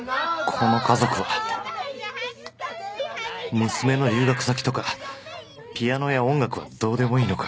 この家族は娘の留学先とかピアノや音楽はどうでもいいのか？